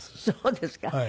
そうですか。